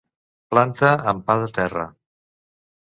Planta amb pa de terra.